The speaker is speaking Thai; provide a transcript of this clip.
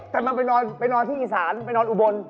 แต่มันไปนอนที่อีสานไปนอนอุบล